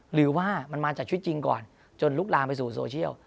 หรือว่ามันมาจากชุดจริงก่อนจนลุกลามไปสู่โซเชียล